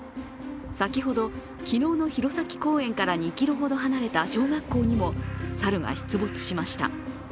先ほど、昨日の弘前公園から２ｋｍほど離れた小学校にも猿が出没しました。